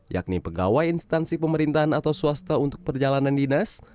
yakni pegawai instansi pemerintahan atau swasta untuk perjalanan dinas